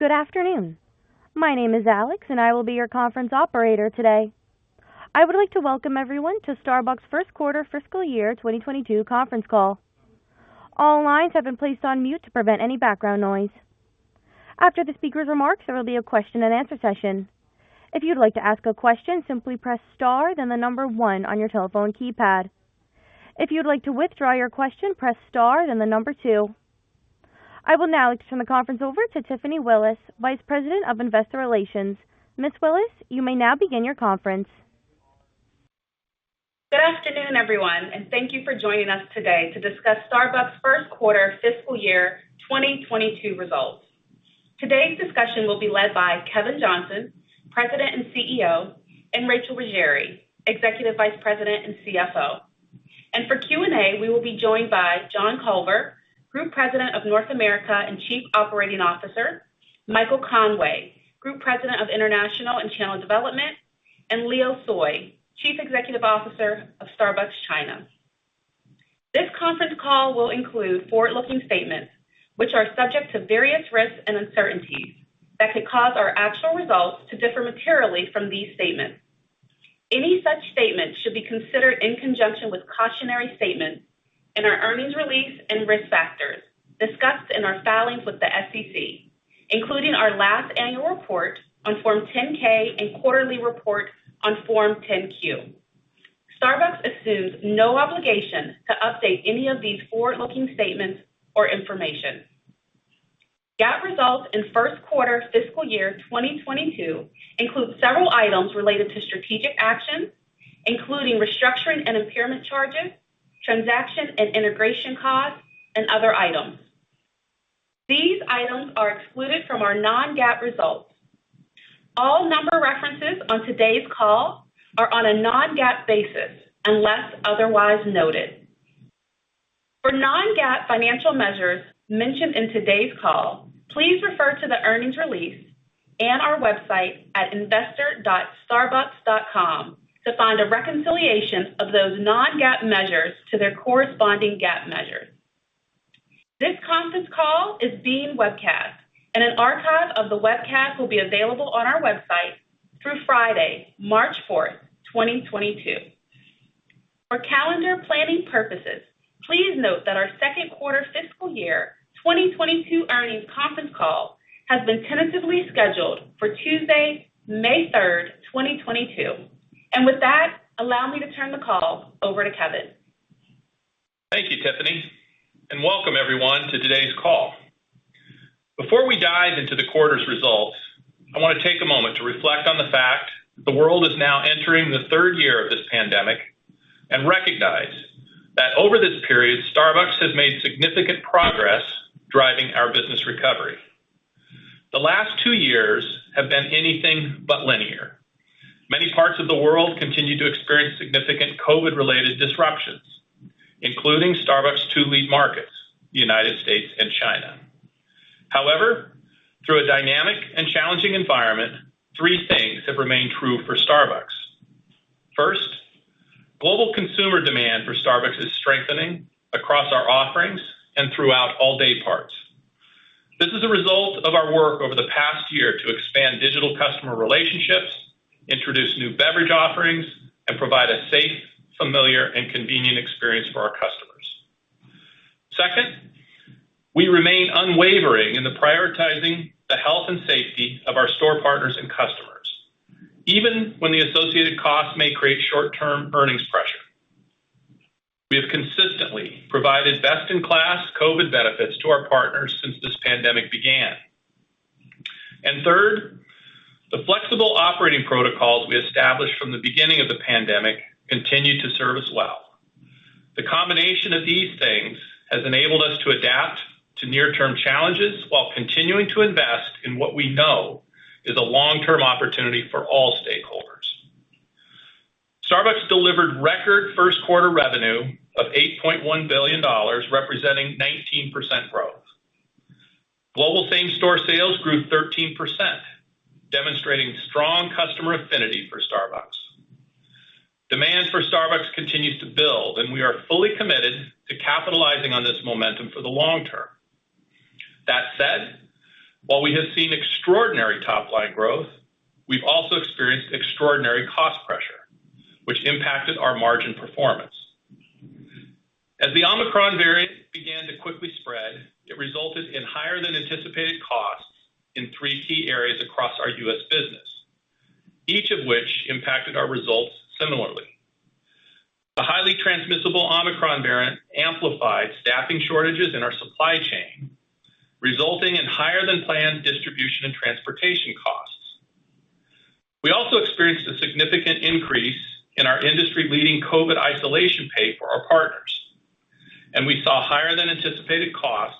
Good afternoon. My name is Alex, and I will be your conference operator today. I would like to welcome everyone to Starbucks First Quarter FY 2022 Conference Call. All lines have been placed on mute to prevent any background noise. After the speaker's remarks, there will be a question and answer session. If you'd like to ask a question, simply press Star, then the number one on your telephone keypad. If you'd like to withdraw your question, press Star, then the number two. I will now turn the conference over to Tiffany Willis, Vice President of Investor Relations. Ms. Willis, you may now begin your conference. Good afternoon, everyone, and thank you for joining us today to discuss Starbucks First Quarter FY 2022 Results. Today's discussion will be led by Kevin Johnson, President and CEO, and Rachel Ruggeri, Executive Vice President and CFO. For Q&A, we will be joined by John Culver, Group President of North America and Chief Operating Officer, Michael Conway, Group President of International and Channel Development, and Leo Tsoi, Chief Executive Officer of Starbucks China. This conference call will include forward-looking statements, which are subject to various risks and uncertainties that could cause our actual results to differ materially from these statements. Any such statements should be considered in conjunction with cautionary statements in our earnings release and risk factors discussed in our filings with the SEC, including our last annual report on Form 10-K and quarterly report on Form 10-Q. Starbucks assumes no obligation to update any of these forward-looking statements or information. GAAP results in first quarter FY 2022 include several items related to strategic actions, including restructuring and impairment charges, transaction and integration costs, and other items. These items are excluded from our non-GAAP results. All number references on today's call are on a non-GAAP basis, unless otherwise noted. For non-GAAP financial measures mentioned in today's call, please refer to the earnings release and our website at investor.starbucks.com to find a reconciliation of those non-GAAP measures to their corresponding GAAP measures. This conference call is being webcast, and an archive of the webcast will be available on our website through Friday, March 4th, 2022. For calendar planning purposes, please note that our second quarter FY 2022 earnings conference call has been tentatively scheduled for Tuesday, May 3rd, 2022. With that, allow me to turn the call over to Kevin. Thank you, Tiffany. Welcome everyone to today's call. Before we dive into the quarter's results, I want to take a moment to reflect on the fact that the world is now entering the third year of this pandemic and recognize that over this period, Starbucks has made significant progress driving our business recovery. The last two years have been anything but linear. Many parts of the world continue to experience significant COVID-related disruptions, including Starbucks' two lead markets, the United States and China. However, through a dynamic and challenging environment, three things have remained true for Starbucks. First, global consumer demand for Starbucks is strengthening across our offerings and throughout all day parts. This is a result of our work over the past year to expand digital customer relationships, introduce new beverage offerings, and provide a safe, familiar, and convenient experience for our customers. Second, we remain unwavering in the prioritizing the health and safety of our store partners and customers, even when the associated costs may create short-term earnings pressure. We have consistently provided best-in-class COVID benefits to our partners since this pandemic began. Third, the flexible operating protocols we established from the beginning of the pandemic continue to serve us well. The combination of these things has enabled us to adapt to near-term challenges while continuing to invest in what we know is a long-term opportunity for all stakeholders. Starbucks delivered record first quarter revenue of $8.1 billion, representing 19% growth. Global same-store sales grew 13%, demonstrating strong customer affinity for Starbucks. Demand for Starbucks continues to build, and we are fully committed to capitalizing on this momentum for the long term. That said, while we have seen extraordinary top line growth, we've also experienced extraordinary cost pressure which impacted our margin performance. As the Omicron variant began to quickly spread, it resulted in higher than anticipated costs in three key areas across our U.S. business, each of which impacted our results similarly. The highly transmissible Omicron variant amplified staffing shortages in our supply chain, resulting in higher than planned distribution and transportation costs. We also experienced a significant increase in our industry-leading COVID isolation pay for our partners, and we saw higher than anticipated costs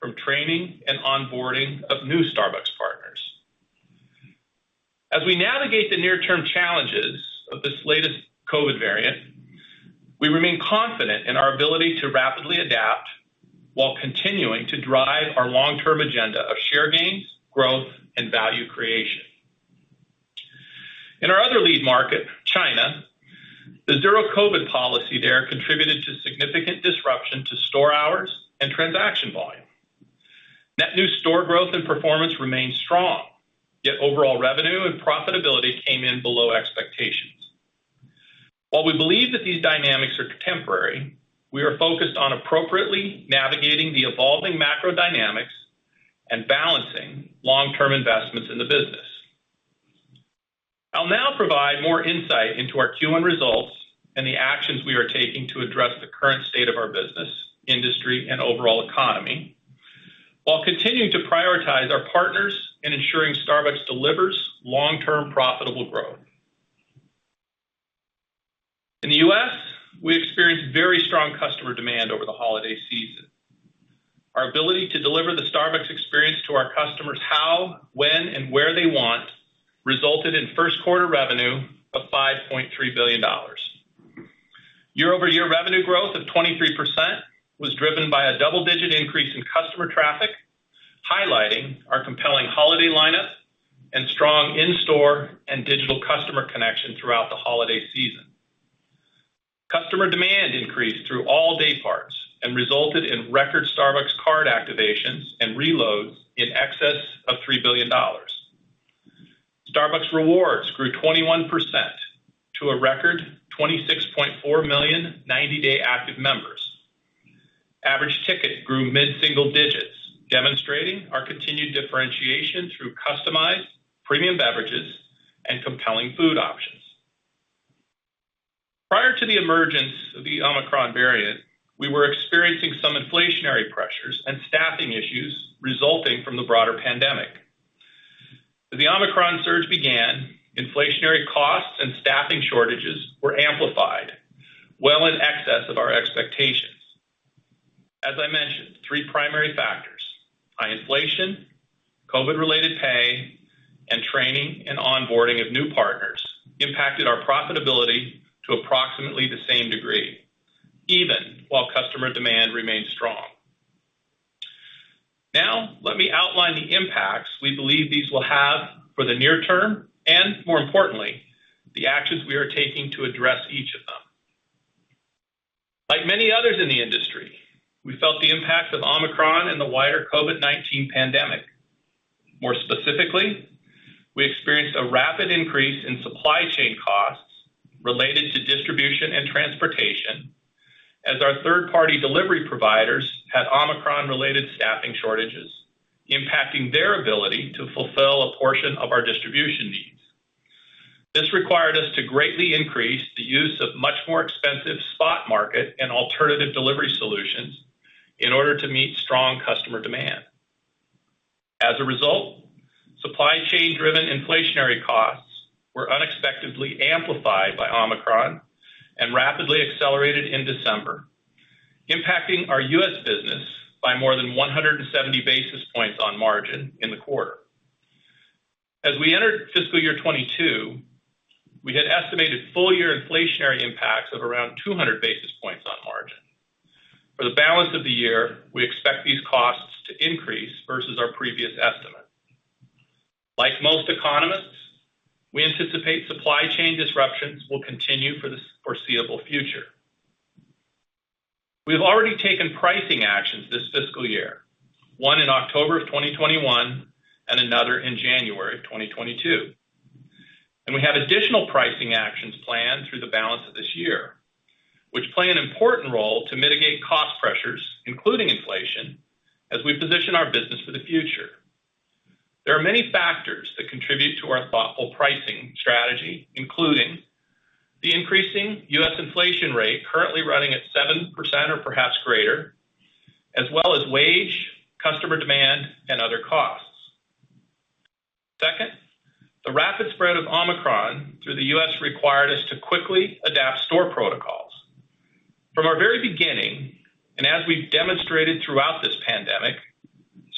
from training and onboarding of new Starbucks partners. As we navigate the near-term challenges of this latest COVID variant, we remain confident in our ability to rapidly adapt while continuing to drive our long-term agenda of share gains, growth, and value creation. In our other lead market, China, the zero-COVID policy there contributed to significant disruption to store hours and transaction volume. Net new store growth and performance remained strong, yet overall revenue and profitability came in below expectations. While we believe that these dynamics are temporary, we are focused on appropriately navigating the evolving macro dynamics and balancing long-term investments in the business. I'll now provide more insight into our Q1 results and the actions we are taking to address the current state of our business, industry, and overall economy while continuing to prioritize our partners in ensuring Starbucks delivers long-term profitable growth. In the U.S., we experienced very strong customer demand over the holiday season. Our ability to deliver the Starbucks experience to our customers how, when, and where they want resulted in first quarter revenue of $5.3 billion. Year-over-year revenue growth of 23% was driven by a double-digit increase in customer traffic, highlighting our compelling holiday lineup and strong in-store and digital customer connection throughout the holiday season. Customer demand increased through all day parts and resulted in record Starbucks card activations and reloads in excess of $3 billion. Starbucks Rewards grew 21% to a record 26.4 million ninety-day active members. Average ticket grew mid-single digits, demonstrating our continued differentiation through customized premium beverages and compelling food options. Prior to the emergence of the Omicron variant, we were experiencing some inflationary pressures and staffing issues resulting from the broader pandemic. As the Omicron surge began, inflationary costs and staffing shortages were amplified well in excess of our expectations. As I mentioned, three primary factors, high inflation, COVID-related pay, and training and onboarding of new partners impacted our profitability to approximately the same degree, even while customer demand remained strong. Now, let me outline the impacts we believe these will have for the near term, and more importantly, the actions we are taking to address each of them. Like many others in the industry, we felt the impact of Omicron and the wider COVID-19 pandemic. More specifically, we experienced a rapid increase in supply chain costs related to distribution and transportation as our third-party delivery providers had Omicron-related staffing shortages, impacting their ability to fulfill a portion of our distribution needs. This required us to greatly increase the use of much more expensive spot market and alternative delivery solutions in order to meet strong customer demand. As a result, supply chain-driven inflationary costs were unexpectedly amplified by Omicron and rapidly accelerated in December, impacting our U.S. business by more than 170 basis points on margin in the quarter. As we entered FY 2022, we had estimated full year inflationary impacts of around 200 basis points on margin. For the balance of the year, we expect these costs to increase versus our previous estimate. Like most economists, we anticipate supply chain disruptions will continue for this foreseeable future. We've already taken pricing actions this fiscal year, one in October 2021 and another in January 2022. We have additional pricing actions planned through the balance of this year, which play an important role to mitigate cost pressures, including inflation, as we position our business for the future. There are many factors that contribute to our thoughtful pricing strategy, including the increasing U.S. inflation rate currently running at 7% or perhaps greater, as well as wage, customer demand, and other costs. Second, the rapid spread of Omicron through the U.S. required us to quickly adapt store protocols. From our very beginning, and as we've demonstrated throughout this pandemic,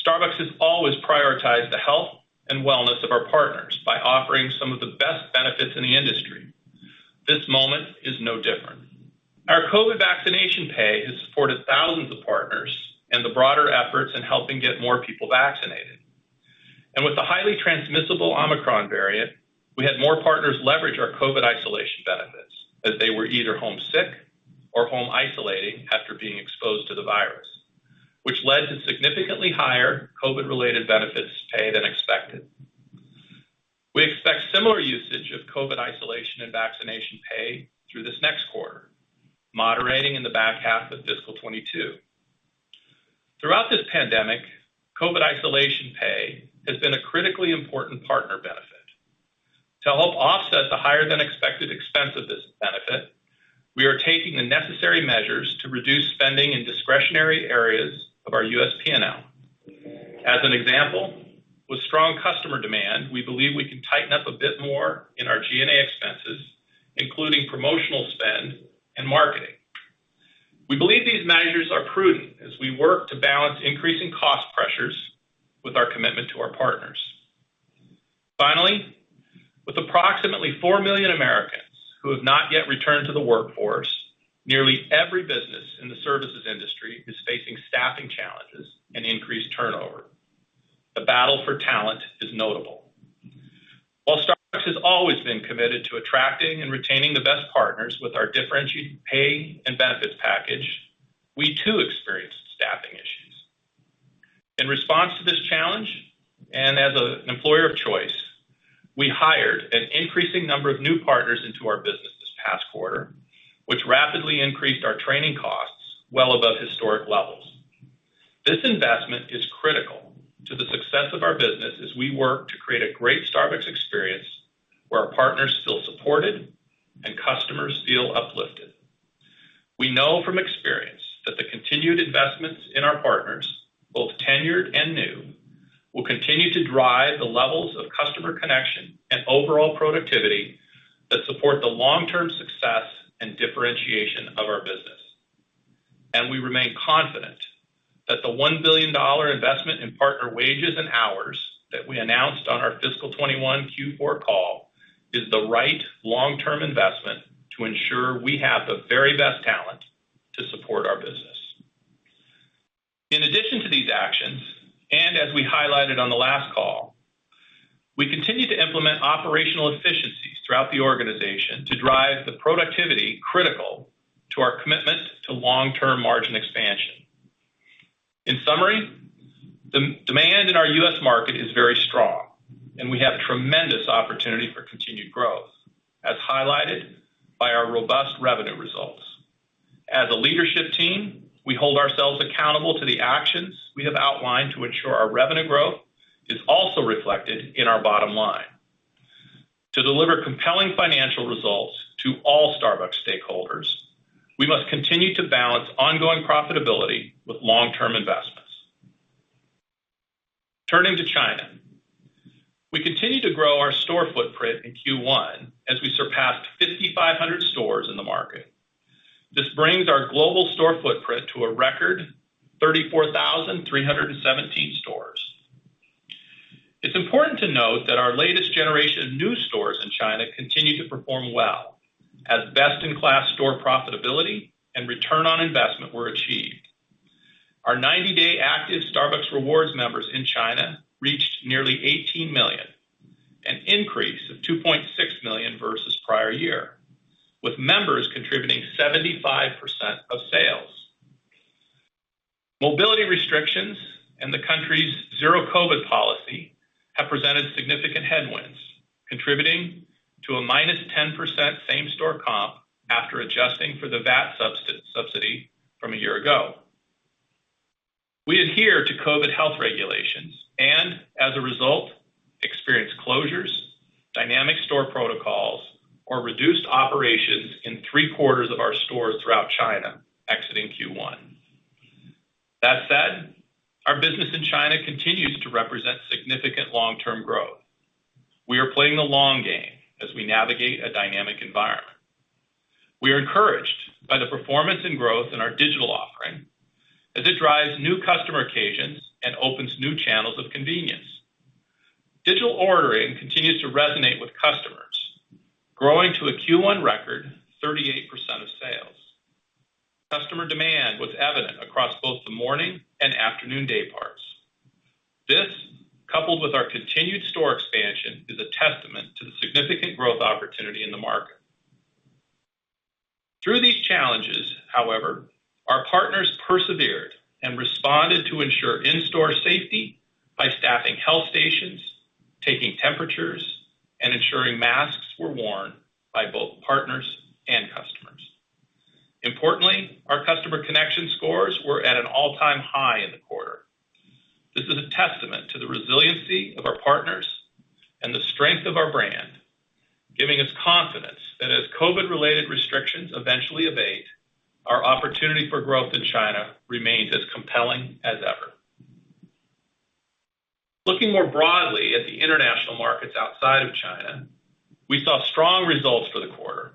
Starbucks has always prioritized the health and wellness of our partners by offering some of the best benefits in the industry. This moment is no different. Our COVID vaccination pay has supported thousands of partners and the broader efforts in helping get more people vaccinated. With the highly transmissible Omicron variant, we had more partners leverage our COVID isolation benefits as they were either home sick or home isolating after being exposed to the virus, which led to significantly higher COVID-related benefits paid than expected. We expect similar usage of COVID isolation and vaccination pay through this next quarter, moderating in the back half of fiscal 2022. Throughout this pandemic, COVID isolation pay has been a critically important partner benefit. To help offset the higher than expected expense of this benefit, we are taking the necessary measures to reduce spending in discretionary areas of our U.S. P&L. As an example, with strong customer demand, we believe we can tighten up a bit more in our G&A expenses, including promotional spend and marketing. We believe these measures are prudent as we work to balance increasing cost pressures with our commitment to our partners. Finally, with approximately 4 million Americans who have not yet returned to the workforce, nearly every business in the services industry is facing staffing challenges and increased turnover. The battle for talent is notable. While Starbucks has always been committed to attracting and retaining the best partners with our differentiated pay and benefits package, we too experienced staffing issues. In response to this challenge, and as an employer of choice, we hired an increasing number of new partners into our business this past quarter, which rapidly increased our training costs well above historic levels. This investment is critical to the success of our business as we work to create a great Starbucks experience where our partners feel supported and customers feel uplifted. We know from experience that the continued investments in our partners, both tenured and new, will continue to drive the levels of customer connection and overall productivity that support the long-term success and differentiation of our business. We remain confident that the $1 billion investment in partner wages and hours that we announced on our fiscal 2021 Q4 call is the right long-term investment to ensure we have the very best talent to support our business. In addition to these actions, and as we highlighted on the last call, we continue to implement operational efficiencies throughout the organization to drive the productivity critical to our commitment to long-term margin expansion. In summary, demand in our U.S. market is very strong, and we have tremendous opportunity for continued growth, as highlighted by our robust revenue results. As a leadership team, we hold ourselves accountable to the actions we have outlined to ensure our revenue growth is also reflected in our bottom line. To deliver compelling financial results to all Starbucks stakeholders, we must continue to balance ongoing profitability with long-term investments. Turning to China. We continued to grow our store footprint in Q1 as we surpassed 5,500 stores in the market. This brings our global store footprint to a record 34,317 stores. It's important to note that our latest generation of new stores in China continue to perform well as best-in-class store profitability and return on investment were achieved. Our 90-day active Starbucks Rewards members in China reached nearly 18 million, an increase of 2.6 million versus prior year, with members contributing 75% of sales. Mobility restrictions and the country's zero-COVID policy have presented significant headwinds, contributing to a -10% same-store comp after adjusting for the VAT subsidy from a year ago. We adhere to COVID health regulations and, as a result, experienced closures, dynamic store protocols, or reduced operations in three-quarters of our stores throughout China exiting Q1. That said, our business in China continues to represent significant long-term growth. We are playing the long game as we navigate a dynamic environment. We are encouraged by the performance and growth in our digital offering as it drives new customer occasions and opens new channels of convenience. Digital ordering continues to resonate with customers, growing to a Q1 record 38% of sales. Customer demand was evident across both the morning and afternoon day parts. This, coupled with our continued store expansion, is a testament to the significant growth opportunity in the market. Through these challenges, however, our partners persevered and responded to ensure in-store safety by staffing health stations, taking temperatures, and ensuring masks were worn by both partners and customers. Importantly, our customer connection scores were at an all-time high in the quarter. This is a testament to the resiliency of our partners and the strength of our brand, giving us confidence that as COVID-related restrictions eventually abate, our opportunity for growth in China remains as compelling as ever. Looking more broadly at the international markets outside of China, we saw strong results for the quarter.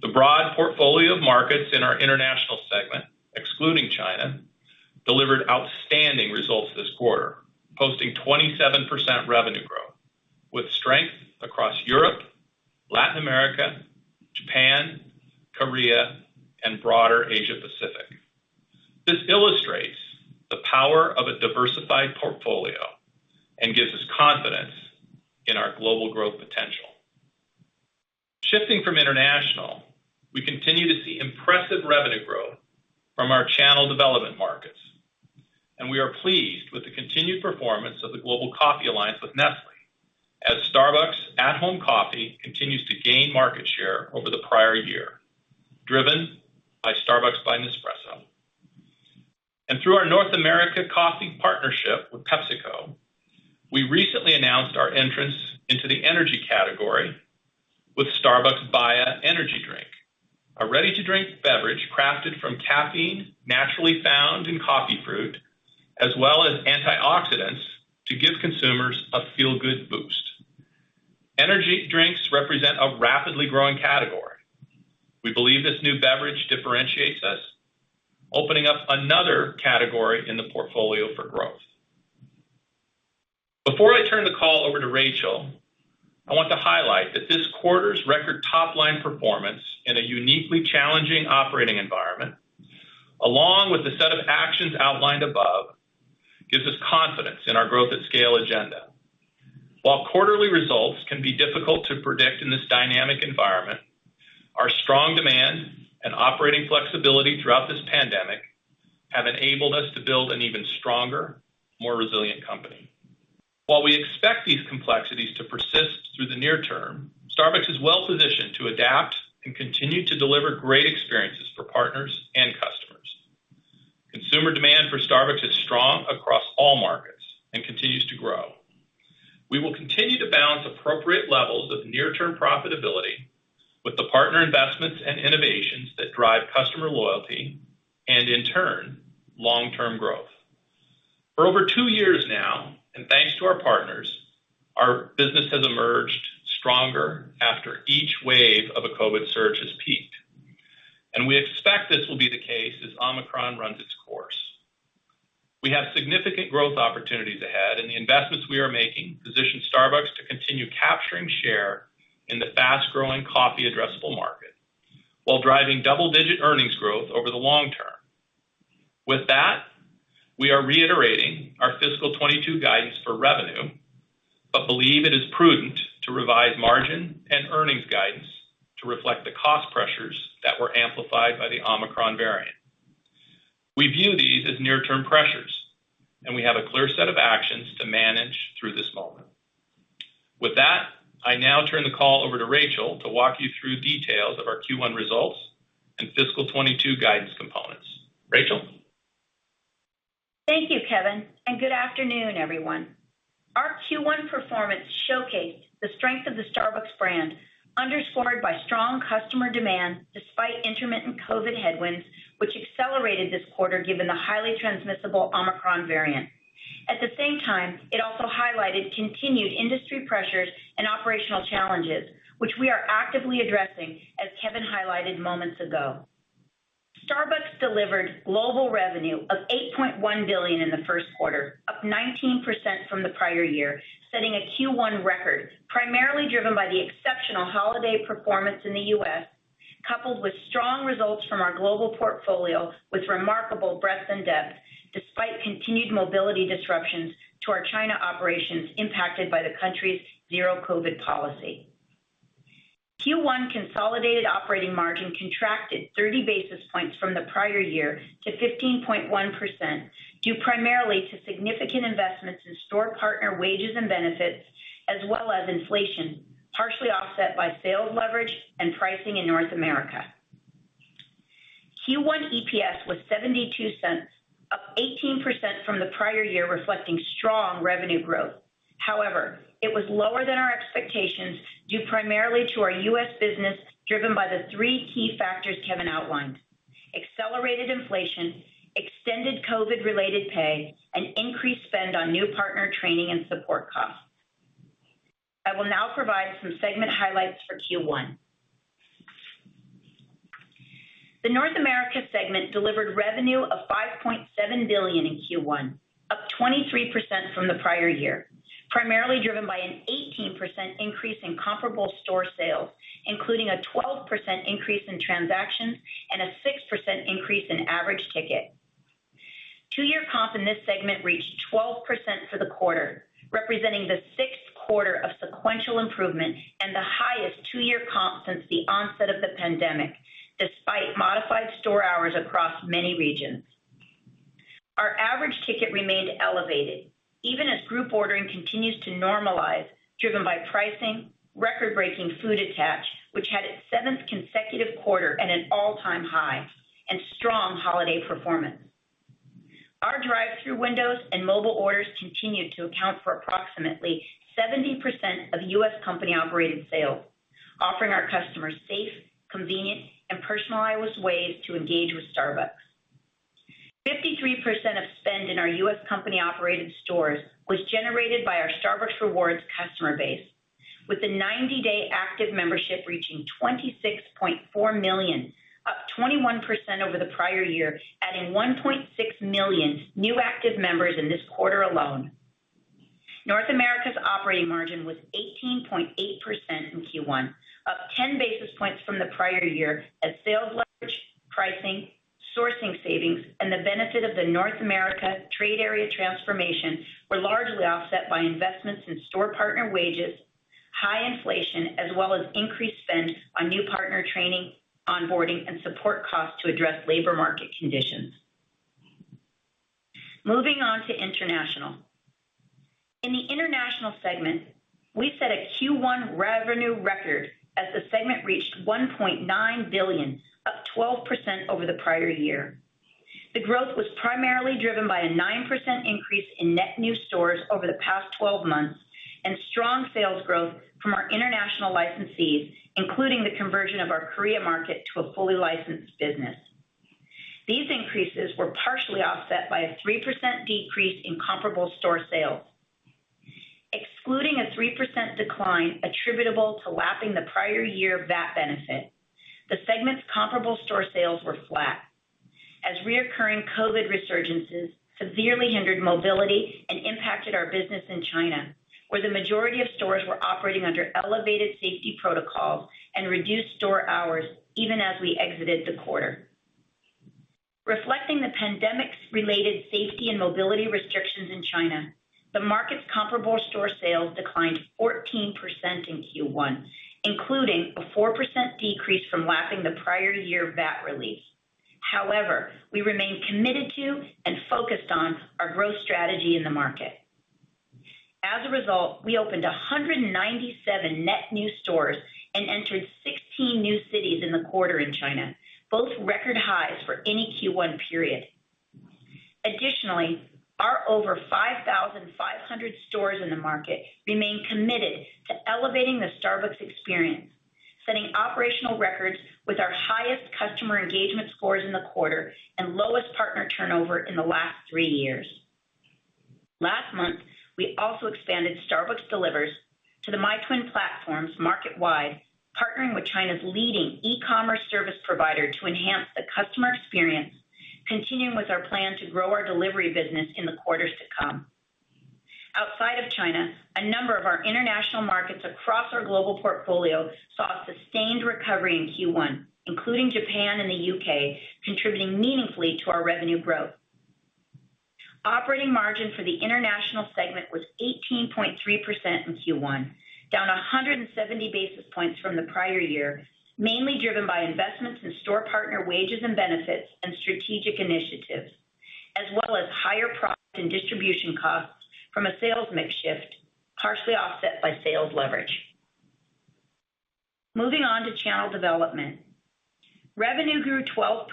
The broad portfolio of markets in our international segment, excluding China, delivered outstanding results this quarter, posting 27% revenue growth with strength across Europe, Latin America, Japan, Korea, and broader Asia Pacific. This illustrates the power of a diversified portfolio and gives us confidence in our global growth potential. Shifting from international, we continue to see impressive revenue growth from our channel development markets, and we are pleased with the continued performance of the Global Coffee Alliance with Nestlé as Starbucks at-home coffee continues to gain market share over the prior year, driven by Starbucks by Nespresso. Through our North America Coffee Partnership with PepsiCo, we recently announced our entrance into the energy category with Starbucks BAYA Energy, a ready-to-drink beverage crafted from caffeine naturally found in coffee fruit as well as antioxidants to give consumers a feel-good boost. Energy drinks represent a rapidly growing category. We believe this new beverage differentiates us, opening up another category in the portfolio for growth. Before I turn the call over to Rachel, I want to highlight that this quarter's record top-line performance in a uniquely challenging operating environment, along with the set of actions outlined above, gives us confidence in our growth at scale agenda. While quarterly results can be difficult to predict in this dynamic environment, our strong demand and operating flexibility throughout this pandemic have enabled us to build an even stronger, more resilient company. While we expect these complexities to persist through the near term, Starbucks is well-positioned to adapt and continue to deliver great experiences for partners and customers. Consumer demand for Starbucks is strong across all markets and continues to grow. We will continue to balance appropriate levels of near-term profitability with the partner investments and innovations that drive customer loyalty and in turn, long-term growth. For over two years now, and thanks to our partners, our business has emerged stronger after each wave of a COVID surge has peaked. We expect this will be the case as Omicron runs its course. We have significant growth opportunities ahead, and the investments we are making position Starbucks to continue capturing share in the fast-growing coffee addressable market while driving double-digit earnings growth over the long term. With that, we are reiterating our fiscal 2022 guidance for revenue, but believe it is prudent to revise margin and earnings guidance to reflect the cost pressures that were amplified by the Omicron variant. We view these as near-term pressures, and we have a clear set of actions to manage through this moment. With that, I now turn the call over to Rachel to walk you through details of our Q1 results and fiscal 2022 guidance components. Rachel. Thank you, Kevin, and good afternoon, everyone. Our Q1 performance showcased the strength of the Starbucks brand, underscored by strong customer demand despite intermittent COVID headwinds, which accelerated this quarter given the highly transmissible Omicron variant. At the same time, it also highlighted continued industry pressures and operational challenges, which we are actively addressing, as Kevin highlighted moments ago. Starbucks delivered global revenue of $8.1 billion in the first quarter, up 19% from the prior year, setting a Q1 record, primarily driven by the exceptional holiday performance in the U.S., coupled with strong results from our global portfolio with remarkable breadth and depth despite continued mobility disruptions to our China operations impacted by the country's zero-COVID policy. Q1 consolidated operating margin contracted 30 basis points from the prior year to 15.1% due primarily to significant investments in store partner wages and benefits, as well as inflation, partially offset by sales leverage and pricing in North America. Q1 EPS was $0.72, up 18% from the prior year, reflecting strong revenue growth. However, it was lower than our expectations due primarily to our U.S. business, driven by the three key factors Kevin outlined. Accelerated inflation, extended COVID-related pay, and increased spend on new partner training and support costs. I will now provide some segment highlights for Q1. The North America segment delivered revenue of $5.7 billion in Q1, up 23% from the prior year, primarily driven by an 18% increase in comparable store sales, including a 12% increase in transactions and a 6% increase in average ticket. Two-year comp in this segment reached 12% for the quarter, representing the sixth quarter of sequential improvement and the highest two-year comp since the onset of the pandemic, despite modified store hours across many regions. Our average ticket remained elevated, even as group ordering continues to normalize, driven by pricing, record-breaking food attach, which had its 7th consecutive quarter at an all-time high, and strong holiday performance. Our drive-thru windows and mobile orders continued to account for approximately 70% of U.S. company-operated sales, offering our customers safe, convenient, and personalized ways to engage with Starbucks. 53% of spend in our U.S. company-operated stores was generated by our Starbucks Rewards customer base, with the 90-day active membership reaching 26.4 million, up 21% over the prior year, adding 1.6 million new active members in this quarter alone. North America's operating margin was 18.8% in Q1, up 10 basis points from the prior year as sales leverage, pricing, sourcing savings, and the benefit of the North America Trade Area Transformation were largely offset by investments in store partner wages, high inflation, as well as increased spend on new partner training, onboarding, and support costs to address labor market conditions. Moving on to international. In the International segment, we set a Q1 revenue record as the segment reached $1.9 billion, up 12% over the prior year. The growth was primarily driven by a 9% increase in net new stores over the past 12 months and strong sales growth from our international licensees, including the conversion of our Korea market to a fully licensed business. These increases were partially offset by a 3% decrease in comparable store sales. Excluding a 3% decline attributable to lapping the prior year VAT benefit, the segment's comparable store sales were flat. Recurring COVID resurgences severely hindered mobility and impacted our business in China, where the majority of stores were operating under elevated safety protocols and reduced store hours even as we exited the quarter. Reflecting the pandemic's related safety and mobility restrictions in China, the market's comparable store sales declined 14% in Q1, including a 4% decrease from lapping the prior year VAT relief. However, we remain committed to and focused on our growth strategy in the market. As a result, we opened 197 net new stores and entered 16 new cities in the quarter in China, both record highs for any Q1 period. Additionally, our over 5,500 stores in the market remain committed to elevating the Starbucks experience, setting operational records with our highest customer engagement scores in the quarter and lowest partner turnover in the last three years. Last month, we also expanded Starbucks Delivers to the Meituan platform market-wide, partnering with China's leading e-commerce service provider to enhance the customer experience, continuing with our plan to grow our delivery business in the quarters to come. Outside of China, a number of our international markets across our global portfolio saw a sustained recovery in Q1, including Japan and the U.K., contributing meaningfully to our revenue growth. Operating margin for the international segment was 18.3% in Q1, down 170 basis points from the prior year, mainly driven by investments in store partner wages and benefits and strategic initiatives, as well as higher profit and distribution costs from a sales mix shift, partially offset by sales leverage. Moving on to channel development. Revenue grew 12%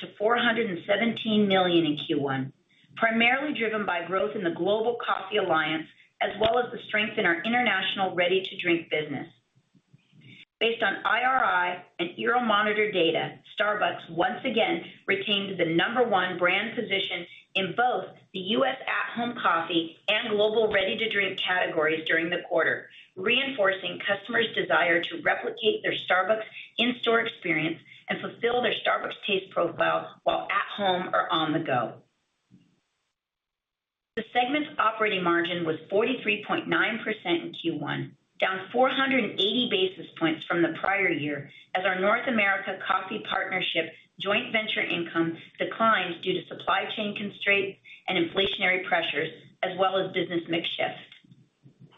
to $417 million in Q1, primarily driven by growth in the Global Coffee Alliance, as well as the strength in our international ready-to-drink business. Based on IRI and Euromonitor data, Starbucks once again retains the number one brand position in both the U.S. at-home coffee and global ready-to-drink categories during the quarter, reinforcing customers' desire to replicate their Starbucks in-store experience and fulfill their Starbucks taste profile while at home or on the go. The segment's operating margin was 43.9% in Q1, down 480 basis points from the prior year as our North American Coffee Partnership joint venture income declined due to supply chain constraints and inflationary pressures, as well as business mix shifts.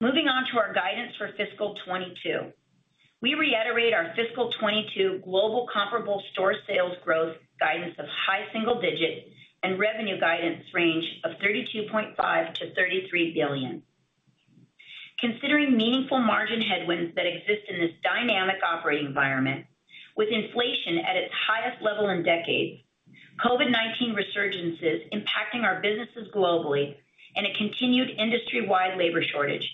Moving on to our guidance for fiscal 2022. We reiterate our fiscal 2022 global comparable store sales growth guidance of high single digit and revenue guidance range of $32.5 billion-$33 billion. Considering meaningful margin headwinds that exist in this dynamic operating environment with inflation at its highest level in decades, COVID-19 resurgences impacting our businesses globally and a continued industry-wide labor shortage,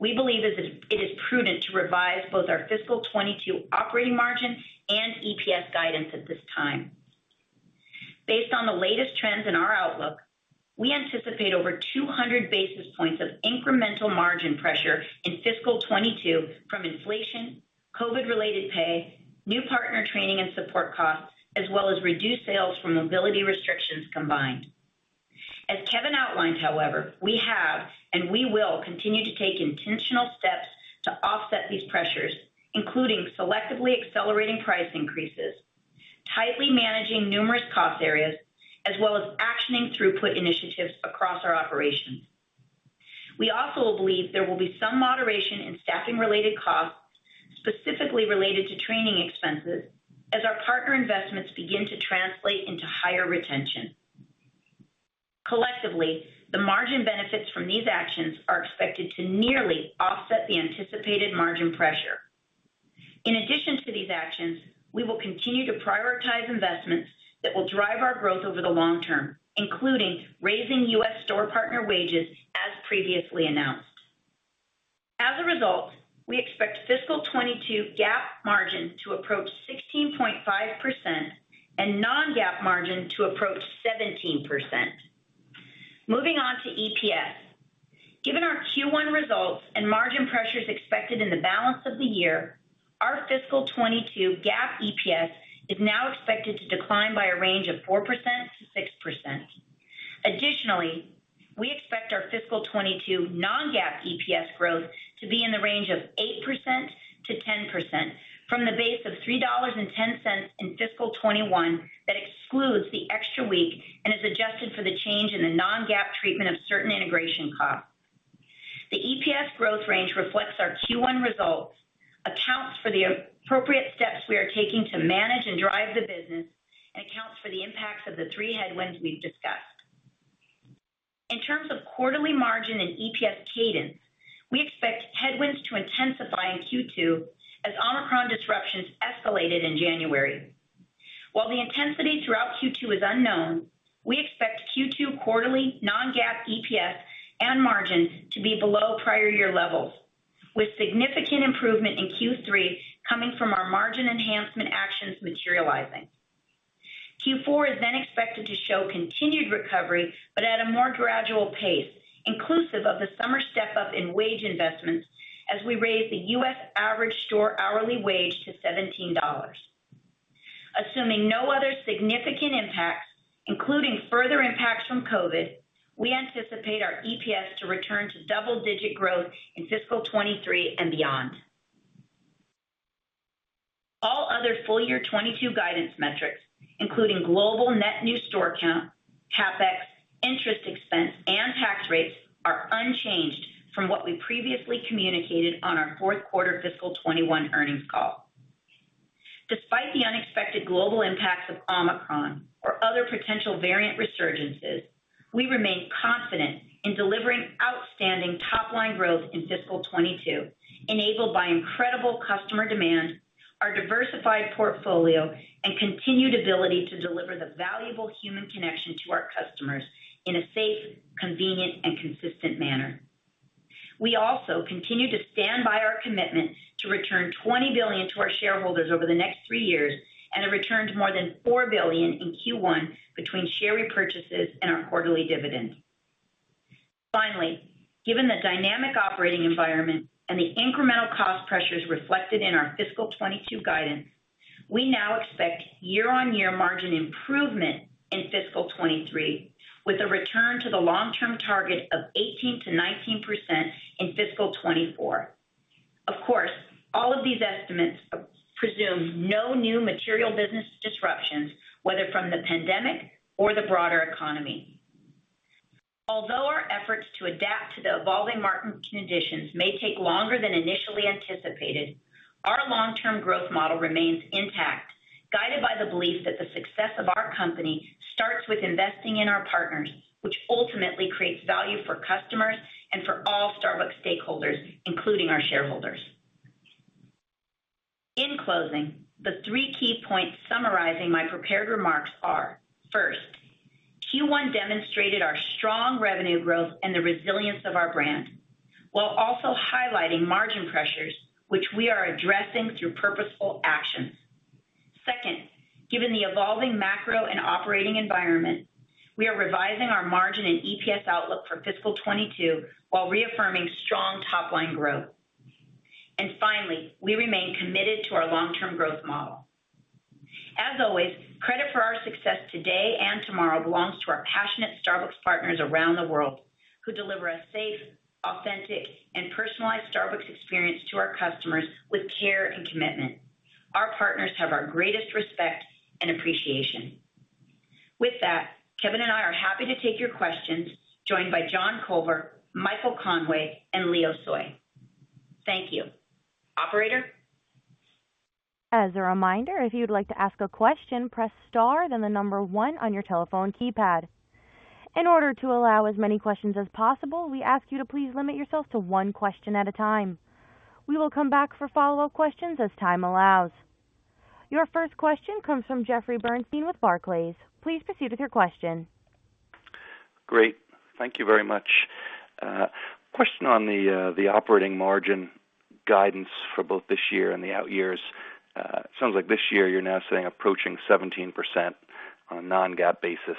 we believe it is prudent to revise both our fiscal 2022 operating margin and EPS guidance at this time. Based on the latest trends in our outlook, we anticipate over 200 basis points of incremental margin pressure in fiscal 2022 from inflation, COVID-related pay, new partner training and support costs, as well as reduced sales from mobility restrictions combined. As Kevin outlined, however, we have and we will continue to take intentional steps to offset these pressures, including selectively accelerating price increases, tightly managing numerous cost areas, as well as actioning throughput initiatives across our operations. We also believe there will be some moderation in staffing-related costs, specifically related to training expenses as our partner investments begin to translate into higher retention. Collectively, the margin benefits from these actions are expected to nearly offset the anticipated margin pressure. In addition to these actions, we will continue to prioritize investments that will drive our growth over the long term, including raising U.S. store partner wages as previously announced. As a result, we expect fiscal 2022 GAAP margin to approach 16.5% and non-GAAP margin to approach 17%. Moving on to EPS. Given our Q1 results and margin pressures expected in the balance of the year, our fiscal 2022 GAAP EPS is now expected to decline by a range of 4%-6%. Additionally, we expect our fiscal 2022 non-GAAP EPS growth to be in the range of 8%-10% from the base of $3.10 in fiscal 2021 that excludes the extra week and is adjusted for the change in the non-GAAP treatment of certain integration costs. The EPS growth range reflects our Q1 results, accounts for the appropriate steps we are taking to manage and drive the business, and accounts for the impacts of the three headwinds we've discussed. In terms of quarterly margin and EPS cadence, we expect headwinds to intensify in Q2 as Omicron disruptions escalated in January. While the intensity throughout Q2 is unknown, we expect Q2 quarterly non-GAAP EPS and margin to be below prior year levels, with significant improvement in Q3 coming from our margin enhancement actions materializing. Q4 is then expected to show continued recovery but at a more gradual pace, inclusive of the summer step up in wage investments as we raise the U.S. average store hourly wage to $17. Assuming no other significant impacts, including further impacts from COVID, we anticipate our EPS to return to double-digit growth in fiscal 2023 and beyond. All other full year 2022 guidance metrics, including global net new store count, CapEx, interest expense, and tax rates are unchanged from what we previously communicated on our fourth quarter fiscal 2021 earnings call. Despite the unexpected global impacts of Omicron or other potential variant resurgences, we remain confident in delivering outstanding top-line growth in fiscal 2022, enabled by incredible customer demand, our diversified portfolio, and continued ability to deliver the valuable human connection to our customers in a safe, convenient, and consistent manner. We also continue to stand by our commitment to return $20 billion to our shareholders over the next three years, and have returned more than $4 billion in Q1 between share repurchases and our quarterly dividend. Finally, given the dynamic operating environment and the incremental cost pressures reflected in our fiscal 2022 guidance, we now expect year-on-year margin improvement in fiscal 2023, with a return to the long-term target of 18%-19% in fiscal 2024. Of course, all of these estimates presume no new material business disruptions, whether from the pandemic or the broader economy. Although our efforts to adapt to the evolving market conditions may take longer than initially anticipated, our long-term growth model remains intact, guided by the belief that the success of our company starts with investing in our partners, which ultimately creates value for customers and for all Starbucks stakeholders, including our shareholders. In closing, the three key points summarizing my prepared remarks are, first, Q1 demonstrated our strong revenue growth and the resilience of our brand, while also highlighting margin pressures which we are addressing through purposeful actions. Second, given the evolving macro and operating environment, we are revising our margin and EPS outlook for fiscal 2022 while reaffirming strong top-line growth. Finally, we remain committed to our long-term growth model. As always, credit for our success today and tomorrow belongs to our passionate Starbucks partners around the world who deliver a safe, authentic, and personalized Starbucks experience to our customers with care and commitment. Our partners have our greatest respect and appreciation. With that, Kevin and I are happy to take your questions, joined by John Culver, Michael Conway, and Leo Tsoi. Thank you. Operator? As a reminder, if you'd like to ask a question, press star, then the number one on your telephone keypad. In order to allow as many questions as possible, we ask you to please limit yourself to one question at a time. We will come back for follow-up questions as time allows. Your first question comes from Jeffrey Bernstein with Barclays. Please proceed with your question. Great. Thank you very much. Question on the operating margin guidance for both this year and the out years. It sounds like this year you're now saying approaching 17% on a non-GAAP basis,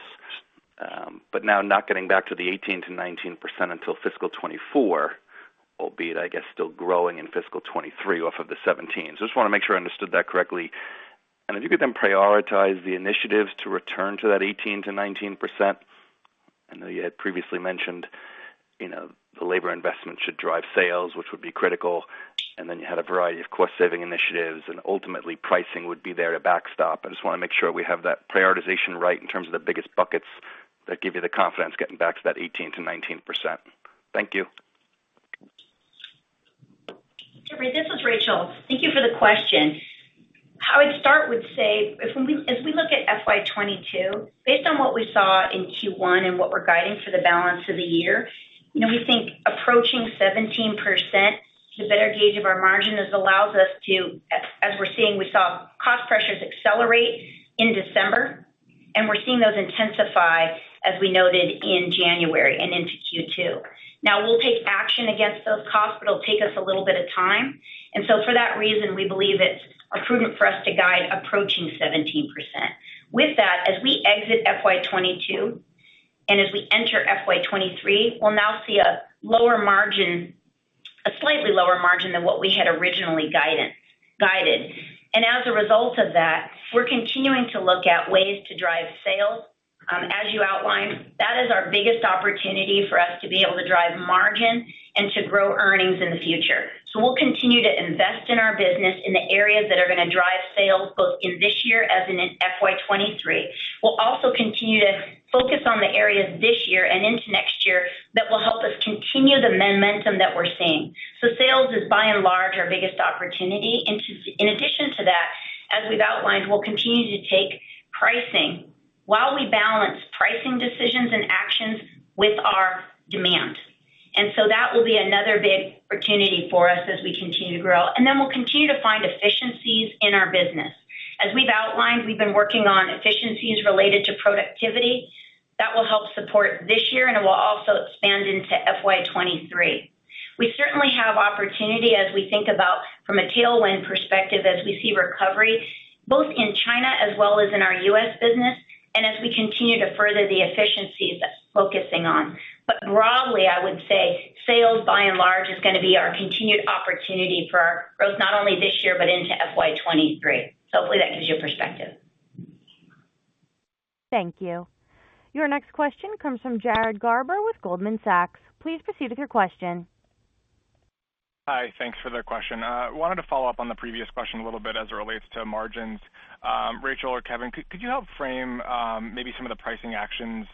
but now not getting back to the 18%-19% until fiscal 2024, albeit, I guess, still growing in fiscal 2023 off of the 17%. Just wanna make sure I understood that correctly. If you could then prioritize the initiatives to return to that 18%-19%. I know you had previously mentioned, you know, the labor investment should drive sales, which would be critical. Then you had a variety of cost saving initiatives and ultimately pricing would be there to backstop. I just wanna make sure we have that prioritization right in terms of the biggest buckets that give you the confidence getting back to that 18%-19%. Thank you. Jeffrey, this is Rachel. Thank you for the question. How I'd start would say, if we look at FY 2022, based on what we saw in Q1 and what we're guiding for the balance of the year, you know, we think approaching 17% is a better gauge of our margin as allows us to, as we're seeing, we saw cost pressures accelerate in December, and we're seeing those intensify, as we noted in January and into Q2. Now, we'll take action against those costs, but it'll take us a little bit of time. For that reason, we believe it's prudent for us to guide approaching 17%. With that, as we exit FY 2022 and as we enter FY 2023, we'll now see a lower margin, a slightly lower margin than what we had originally guided. As a result of that, we're continuing to look at ways to drive sales. As you outlined, that is our biggest opportunity for us to be able to drive margin and to grow earnings in the future. We'll continue to invest in our business in the areas that are gonna drive sales both in this year as in FY 2023. We'll also continue to focus on the areas this year and into next year that will help us continue the momentum that we're seeing. Sales is by and large our biggest opportunity. In addition to that, as we've outlined, we'll continue to take pricing while we balance pricing decisions and actions with our demand. That will be another big opportunity for us as we continue to grow. We'll continue to find efficiencies in our business. As we've outlined, we've been working on efficiencies related activity that will help support this year, and it will also expand into FY 2023. We certainly have opportunity as we think about from a tailwind perspective as we see recovery both in China as well as in our U.S. business and as we continue to further the efficiencies that's focusing on. Broadly, I would say sales by and large is gonna be our continued opportunity for growth, not only this year but into FY 2023. Hopefully that gives you perspective. Thank you. Your next question comes from Jared Garber with Goldman Sachs. Please proceed with your question. Hi. Thanks for the question. Wanted to follow up on the previous question a little bit as it relates to margins. Rachel or Kevin, could you help frame maybe some of the pricing actions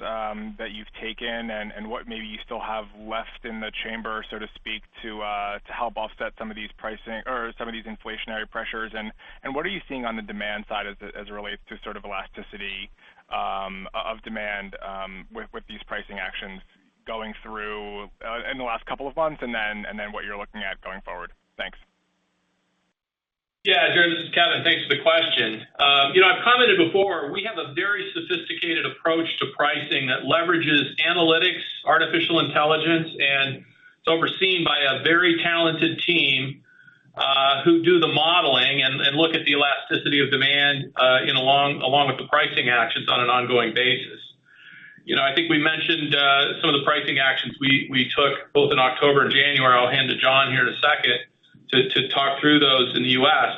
that you've taken and what maybe you still have left in the chamber, so to speak, to help offset some of these pricing or some of these inflationary pressures? What are you seeing on the demand side as it relates to sort of elasticity of demand with these pricing actions going through in the last couple of months and then what you're looking at going forward? Thanks. Yeah. Jared, this is Kevin. Thanks for the question. You know, I've commented before, we have a very sophisticated approach to pricing that leverages analytics, artificial intelligence, and it's overseen by a very talented team, who do the modeling and look at the elasticity of demand along with the pricing actions on an ongoing basis. You know, I think we mentioned some of the pricing actions we took both in October and January. I'll hand to John here in a second to talk through those in the U.S.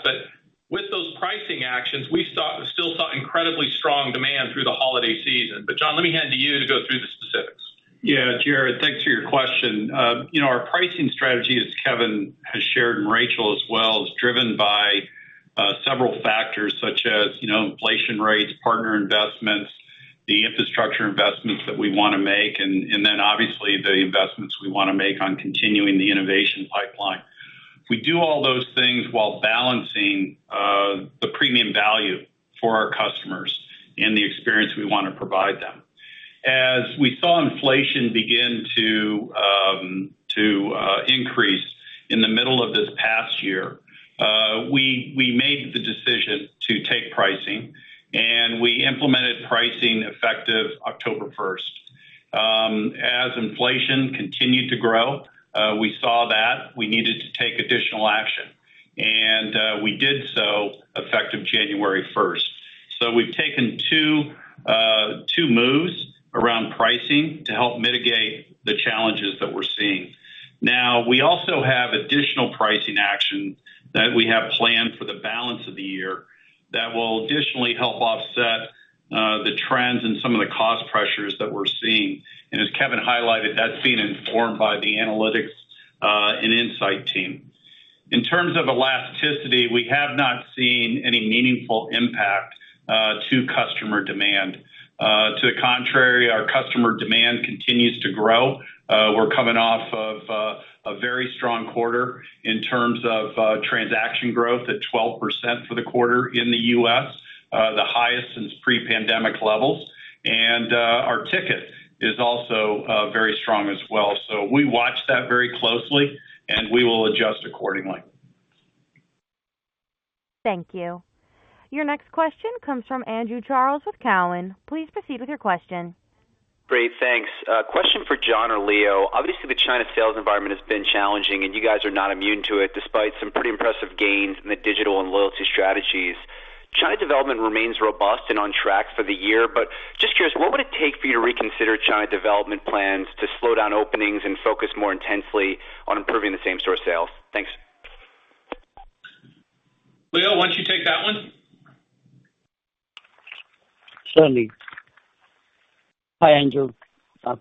With those pricing actions we still saw incredibly strong demand through the holiday season. John, let me hand to you to go through the specifics. Yeah. Jared, thanks for your question. You know, our pricing strategy, as Kevin has shared, and Rachel as well, is driven by several factors such as, you know, inflation rates, partner investments, the infrastructure investments that we wanna make, and then obviously the investments we wanna make on continuing the innovation pipeline. We do all those things while balancing the premium value for our customers and the experience we wanna provide them. As we saw inflation begin to increase in the middle of this past year, we made the decision to take pricing, and we implemented pricing effective October first. As inflation continued to grow, we saw that we needed to take additional action. We did so effective January first. We've taken two moves around pricing to help mitigate the challenges that we're seeing. Now, we also have additional pricing action that we have planned for the balance of the year that will additionally help offset the trends and some of the cost pressures that we're seeing. As Kevin highlighted, that's being informed by the analytics and insight team. In terms of elasticity, we have not seen any meaningful impact to customer demand. To the contrary, our customer demand continues to grow. We're coming off of a very strong quarter in terms of transaction growth at 12% for the quarter in the U.S., the highest since pre-pandemic levels. Our ticket is also very strong as well. We watch that very closely, and we will adjust accordingly. Thank you. Your next question comes from Andrew Charles with Cowen. Please proceed with your question. Great. Thanks. A question for John or Leo. Obviously, the China sales environment has been challenging, and you guys are not immune to it despite some pretty impressive gains in the digital and loyalty strategies. China development remains robust and on track for the year, but just curious, what would it take for you to reconsider China development plans to slow down openings and focus more intensely on improving the same store sales? Thanks. Leo, why don't you take that one? Certainly. Hi, Andrew.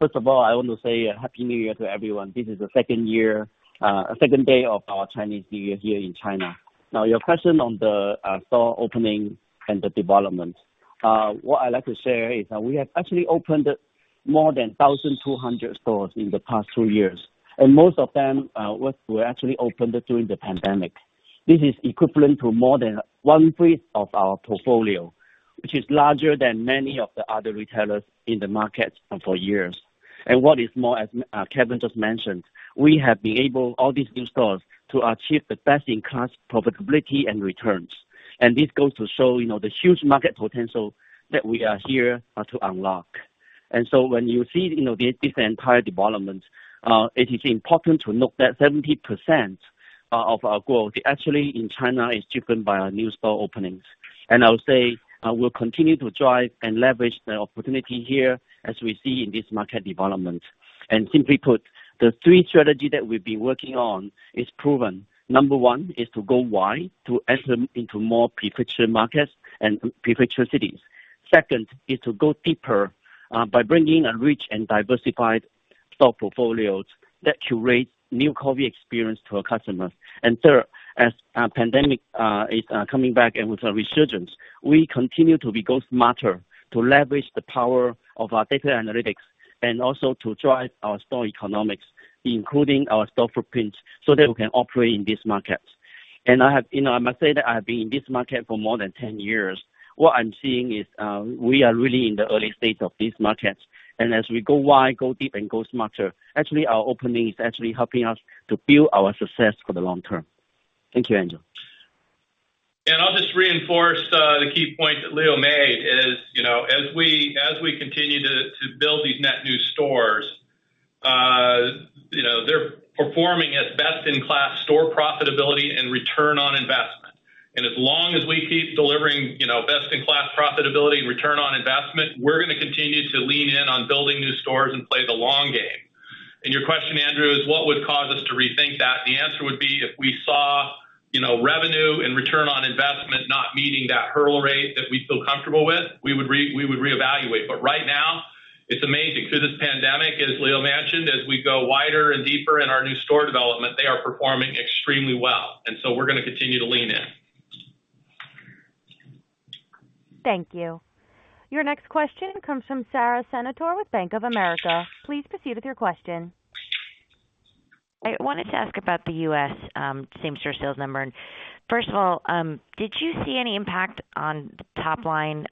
First of all, I want to say Happy New Year to everyone. This is the second day of our Chinese New Year here in China. Now, your question on the store opening and the development. What I'd like to share is, we have actually opened more than 1,200 stores in the past two years, and most of them were actually opened during the pandemic. This is equivalent to more than one-third of our portfolio, which is larger than many of the other retailers in the market for years. What is more, as Kevin just mentioned, we have been able, all these new stores, to achieve the best-in-class profitability and returns. This goes to show, you know, the huge market potential that we are here to unlock. When you see, you know, this entire development, it is important to note that 70% of our growth actually in China is driven by our new store openings. We'll continue to drive and leverage the opportunity here as we see in this market development. Simply put, the three strategy that we've been working on is proven. Number one is to go wide to enter into more prefecture markets and prefecture cities. Second is to go deeper by bringing a rich and diversified store portfolios that curate new coffee experience to our customers. Third, as the pandemic is coming back and with a resurgence, we continue to go smarter to leverage the power of our data analytics and also to drive our store economics, including our store footprint, so that we can operate in this market. I must say, you know, that I've been in this market for more than 10 years. What I'm seeing is, we are really in the early stage of this market. As we go wide, go deep and go smarter, actually our opening is actually helping us to build our success for the long term. Thank you, Andrew. I'll just reinforce the key point that Leo made is, you know, as we continue to build these net new stores, you know, they're performing at best-in-class store profitability and return on investment. As long as we keep delivering, you know, best-in-class profitability and return on investment, we're gonna continue to lean in on building new stores and play the long game. Your question, Andrew, is what would cause us to rethink that? The answer would be if we saw, you know, revenue and return on investment not meeting that hurdle rate that we feel comfortable with, we would reevaluate. Right now, it's amazing. Through this pandemic, as Leo mentioned, as we go wider and deeper in our new store development, they are performing extremely well. We're gonna continue to lean in. Thank you. Your next question comes from Sara Senatore with Bank of America. Please proceed with your question. I wanted to ask about the U.S., same-store sales number. First of all, did you see any impact on the top line,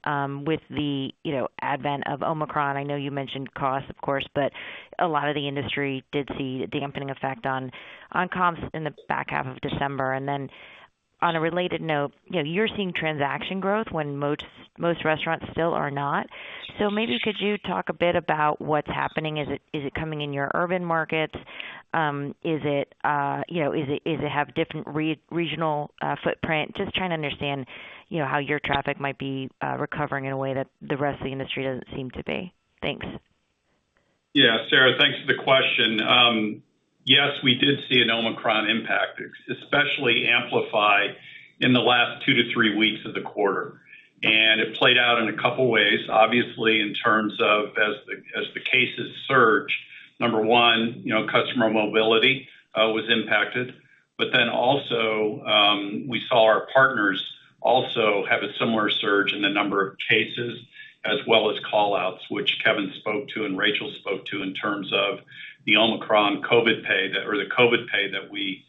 with the, you know, advent of Omicron? I know you mentioned costs, of course, but a lot of the industry did see a dampening effect on comps in the back half of December. Then on a related note, you know, you're seeing transaction growth when most restaurants still are not. Maybe could you talk a bit about what's happening? Is it coming in your urban markets? Is it, you know, does it have different regional footprint? Just trying to understand, you know, how your traffic might be recovering in a way that the rest of the industry doesn't seem to be. Thanks. Yeah. Sarah, thanks for the question. Yes, we did see an Omicron impact, especially amplified in the last two to three weeks of the quarter. It played out in a couple ways, obviously, in terms of, as the cases surged, number one, you know, customer mobility was impacted. We saw our partners also have a similar surge in the number of cases, as well as call-outs, which Kevin spoke to and Rachel spoke to in terms of the Omicron COVID pay or the COVID pay that we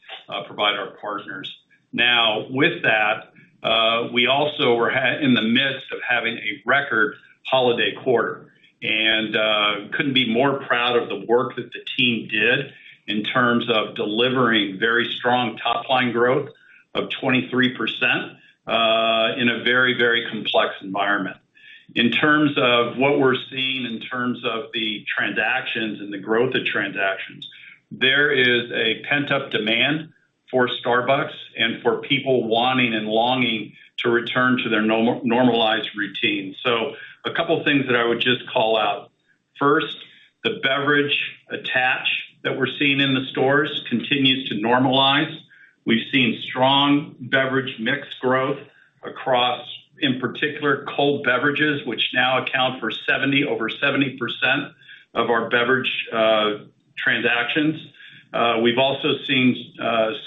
provide our partners. Now, with that, we also were in the midst of having a record holiday quarter. Couldn't be more proud of the work that the team did in terms of delivering very strong top-line growth of 23%, in a very, very complex environment. In terms of what we're seeing in terms of the transactions and the growth of transactions, there is a pent-up demand for Starbucks and for people wanting and longing to return to their normalized routine. A couple things that I would just call out. First, the beverage attach that we're seeing in the stores continues to normalize. We've seen strong beverage mix growth across, in particular, cold beverages, which now account for 70%, over 70% of our beverage transactions. We've also seen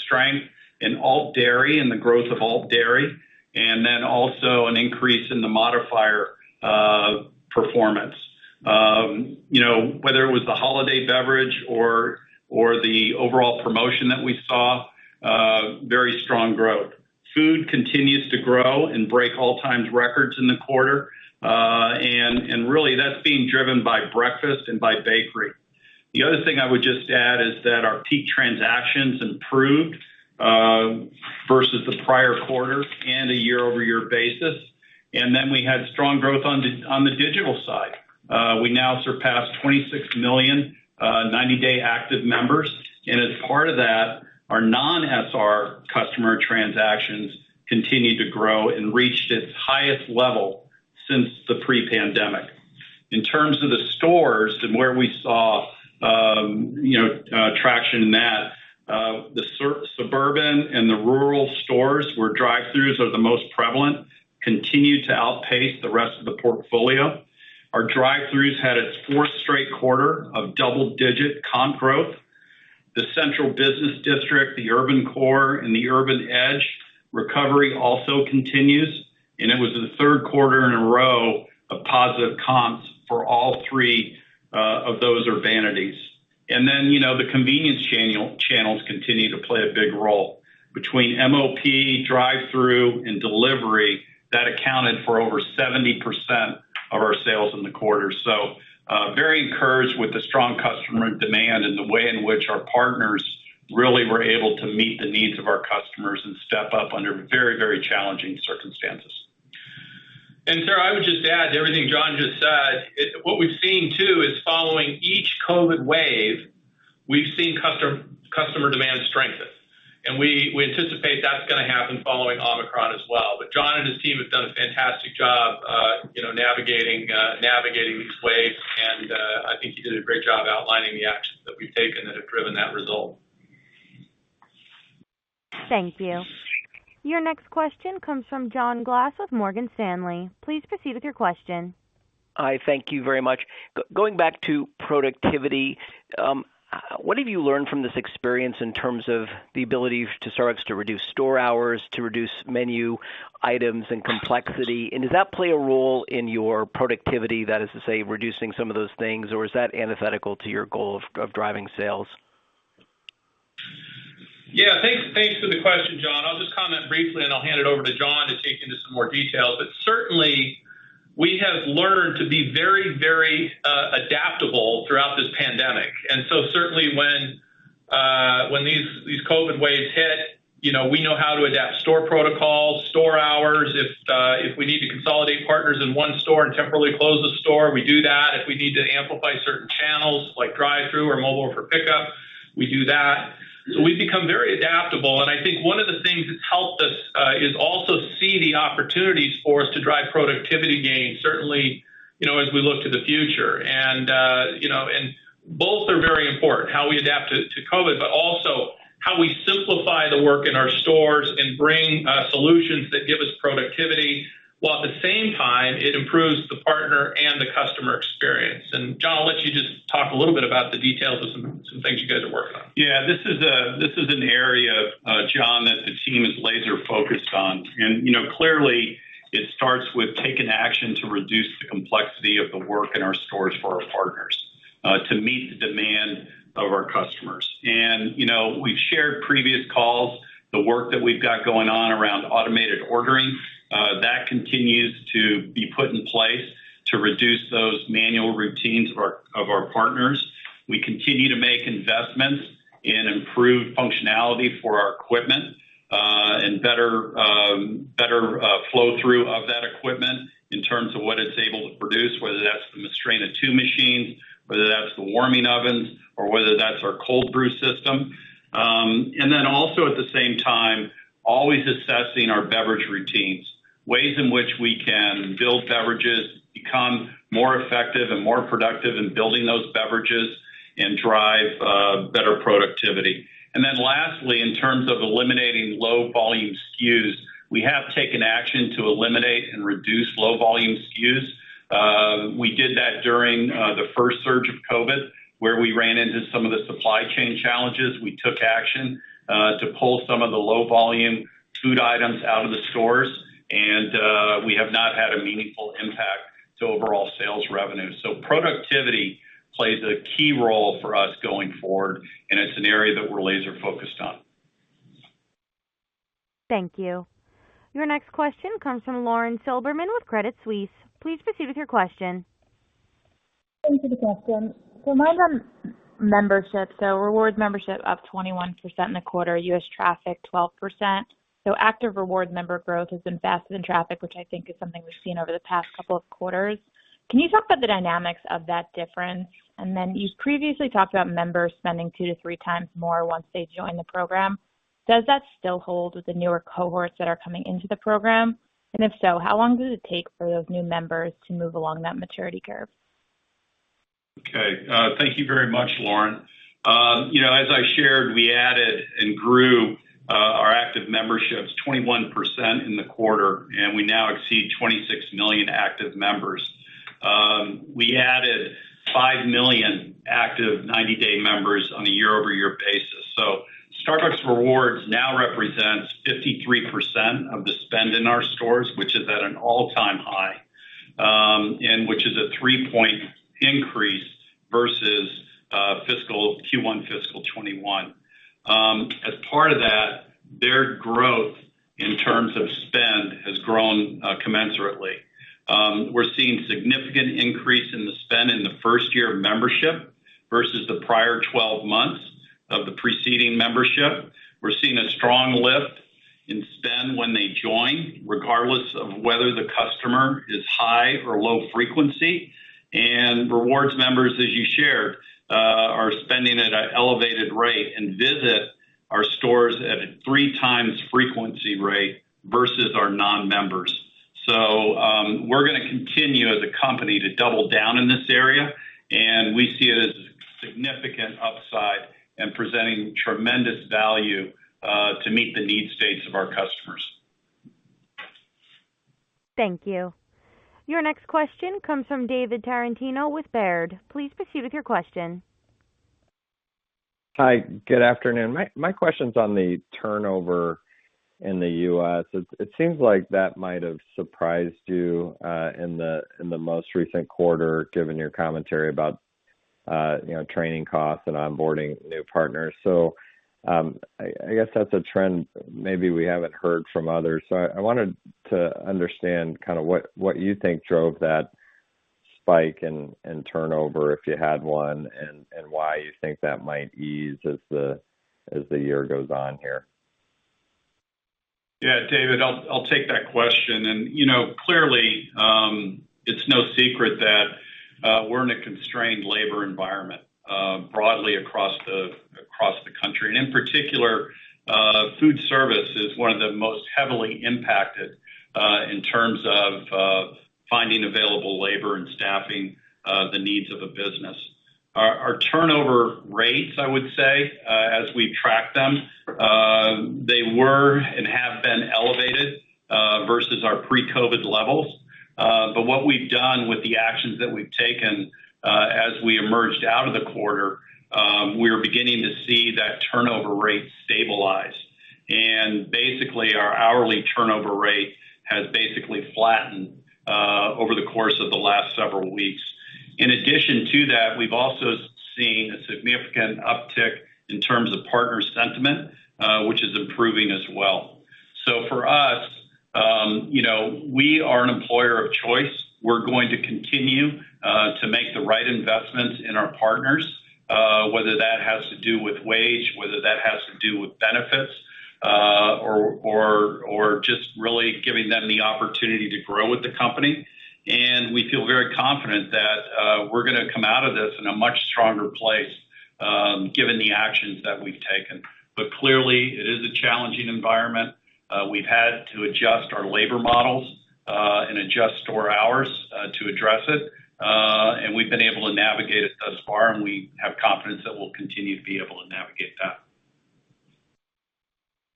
strength in alt dairy and the growth of alt dairy, and then also an increase in the modifier performance. You know, whether it was the holiday beverage or the overall promotion that we saw, very strong growth. Food continues to grow and break all-time records in the quarter. Really, that's being driven by breakfast and by bakery. The other thing I would just add is that our peak transactions improved versus the prior quarter and a year-over-year basis. We had strong growth on the digital side. We now surpassed 26 million 90-day active members. As part of that, our non-SR customer transactions continued to grow and reached its highest level since the pre-pandemic. In terms of the stores and where we saw you know traction in that, the suburban and the rural stores where drive-throughs are the most prevalent continue to outpace the rest of the portfolio. Our drive-throughs had its fourth straight quarter of double-digit comp growth. The central business district, the urban core, and the urban edge recovery also continues, and it was the third quarter in a row of positive comps for all three of those urbanities. Then, you know, the convenience channels continue to play a big role. Between MOP drive-through and delivery, that accounted for over 70% of our sales in the quarter. Very encouraged with the strong customer demand and the way in which our partners really were able to meet the needs of our customers and step up under very, very challenging circumstances. Sara, I would just add to everything John just said. What we've seen, too, is following each COVID wave, we've seen customer demand strengthen. We anticipate that's gonna happen following Omicron as well. John and his team have done a fantastic job, you know, navigating these waves. I think he did a great job outlining the actions that we've taken that have driven that result. Thank you. Your next question comes from John Glass with Morgan Stanley. Please proceed with your question. Hi. Thank you very much. Going back to productivity, what have you learned from this experience in terms of the ability for Starbucks to reduce store hours, to reduce menu items and complexity? Does that play a role in your productivity, that is to say, reducing some of those things, or is that antithetical to your goal of driving sales? Yeah. Thanks for the question, John. I'll just comment briefly, and I'll hand it over to John to take you into some more details. Certainly, we have learned to be very adaptable throughout this pandemic. When these COVID waves hit, you know, we know how to adapt store protocols, store hours. If we need to consolidate partners in one store and temporarily close the store, we do that. If we need to amplify certain channels like drive-thru or mobile for pickup, we do that. We've become very adaptable. I think one of the things that's helped us is also see the opportunities for us to drive productivity gains, certainly, you know, as we look to the future. You know, both are very important, how we adapt to COVID, but also how we simplify the work in our stores and bring solutions that give us productivity, while at the same time it improves the partner and the customer experience. John, I'll let you just talk a little bit about the details of some things you guys are working on. Yeah. This is an area, John, that the team is laser focused on. You know, clearly it starts with taking action to reduce the complexity of the work in our stores for our partners to meet the demand of our customers. You know, we've shared previous calls, the work that we've got going on around automated ordering. That continues to be put in place to reduce those manual routines of our partners. We continue to make investments in improved functionality for our equipment and better flow through of that equipment in terms of what it's able to produce, whether that's the Mastrena II machines, whether that's the warming ovens or whether that's our cold brew system. Then also, at the same time, always assessing our beverage routines. Ways in which we can build beverages, become more effective and more productive in building those beverages and drive better productivity. Then lastly, in terms of eliminating low volume SKUs, we have taken action to eliminate and reduce low volume SKUs. We did that during the first surge of COVID, where we ran into some of the supply chain challenges. We took action to pull some of the low volume food items out of the stores. We have not had a meaningful impact to overall sales revenue. Productivity plays a key role for us going forward, and it's an area that we're laser focused on. Thank you. Your next question comes from Lauren Silberman with Credit Suisse. Please proceed with your question. Thank you for the question. Remind our membership, so rewards membership up 21% in the quarter, U.S. traffic 12%. Active reward member growth has been faster than traffic, which I think is something we've seen over the past couple of quarters. Can you talk about the dynamics of that difference? Then you've previously talked about members spending two to three times more once they join the program. Does that still hold with the newer cohorts that are coming into the program? If so, how long does it take for those new members to move along that maturity curve? Okay. Thank you very much, Lauren. You know, as I shared, we added and grew our active memberships 21% in the quarter, and we now exceed 26 million active members. We added 5 million active 90-day members on a year-over-year basis. Starbucks Rewards now represents 53% of the spend in our stores, which is at an all-time high, and which is a three-point increase versus Q1 fiscal 2021. As part of that, their growth in terms of spend has grown commensurately. We're seeing significant increase in the spend in the first year of membership versus the prior 12 months of the preceding membership. We're seeing a strong lift in spend when they join, regardless of whether the customer is high or low frequency. Rewards members, as you shared, are spending at an elevated rate and visit our stores at a three times frequency rate versus our non-members. We're gonna continue as a company to double down in this area, and we see it as a significant upside and presenting tremendous value to meet the need states of our customers. Thank you. Your next question comes from David Tarantino with Baird. Please proceed with your question. Hi, good afternoon. My question's on the turnover in the U.S. It seems like that might have surprised you in the most recent quarter, given your commentary about you know, training costs and onboarding new partners. I guess that's a trend maybe we haven't heard from others. I wanted to understand kind of what you think drove that spike in turnover, if you had one, and why you think that might ease as the year goes on here. Yeah. David, I'll take that question. You know, clearly, it's no secret that we're in a constrained labor environment broadly across the country. In particular, food service is one of the most heavily impacted in terms of finding available labor and staffing the needs of a business. Our turnover rates, I would say, as we track them, they were and have been elevated versus our pre-COVID levels. What we've done with the actions that we've taken as we emerged out of the quarter, we're beginning to see that turnover rate stabilize. Basically, our hourly turnover rate has basically flattened over the course of the last several weeks. In addition to that, we've also seen a significant uptick in terms of partner sentiment, which is improving as well. You know, we are an employer of choice. We're going to continue to make the right investments in our partners, whether that has to do with wage, whether that has to do with benefits, or just really giving them the opportunity to grow with the company. We feel very confident that we're gonna come out of this in a much stronger place, given the actions that we've taken. Clearly, it is a challenging environment. We've had to adjust our labor models and adjust store hours to address it. We've been able to navigate it thus far, and we have confidence that we'll continue to be able to navigate that.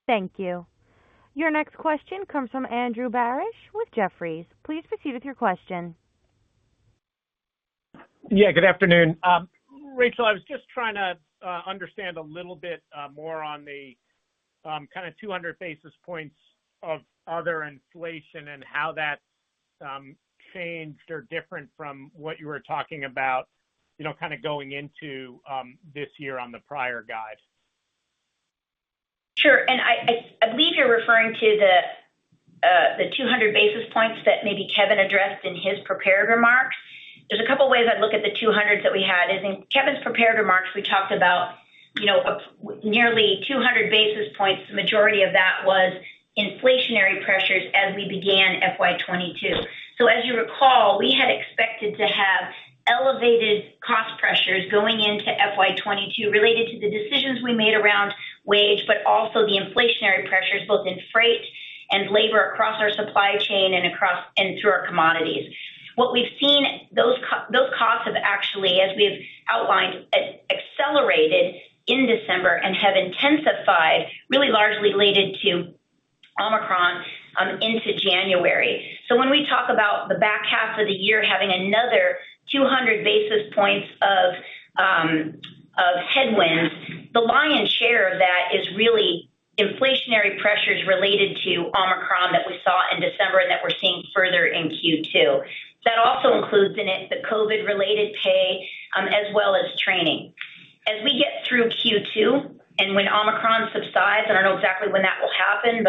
Thank you. Your next question comes from Andy Barish with Jefferies. Please proceed with your question. Yeah, good afternoon. Rachel, I was just trying to understand a little bit more on the kinda 200 basis points of other inflation and how that changed or different from what you were talking about, you know, kinda going into this year on the prior guide. Sure. I believe you're referring to the 200 basis points that maybe Kevin addressed in his prepared remarks. There's a couple ways I'd look at the 200 that we had. As in Kevin's prepared remarks, we talked about a nearly 200 basis points. The majority of that was inflationary pressures as we began FY 2022. As you recall, we had expected to have elevated cost pressures going into FY 2022 related to the decisions we made around wage, but also the inflationary pressures both in freight and labor across our supply chain and through our commodities. What we've seen, those costs have actually, as we've outlined, accelerated in December and have intensified largely related to Omicron into January. When we talk about the back half of the year having another 200 basis points of headwinds, the lion's share of that is really inflationary pressures related to Omicron that we saw in December and that we're seeing further in Q2. That also includes in it the COVID-related pay, as well as training. As we get through Q2 and when Omicron subsides, I don't know exactly when that will happen,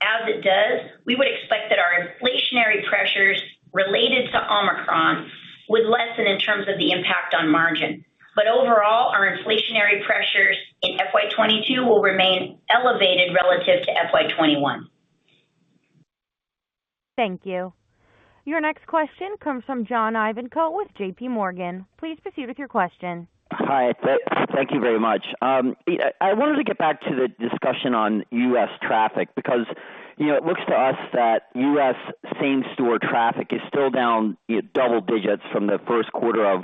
but as it does, we would expect that our inflationary pressures related to Omicron would lessen in terms of the impact on margin. But overall, our inflationary pressures in FY 2022 will remain elevated relative to FY 2021. Thank you. Your next question comes from John Ivankoe with J.P. Morgan. Please proceed with your question. Hi, thank you very much. I wanted to get back to the discussion on U.S. traffic because, you know, it looks to us that U.S. same-store traffic is still down in double digits from the first quarter of